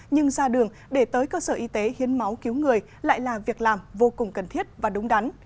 nhưng ra đường để tới cơ sở y tế hiến máu cứu người lại là việc làm vô cùng cần thiết và đúng đắn